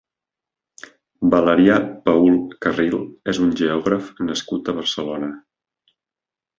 Valerià Paül Carril és un geògraf nascut a Barcelona.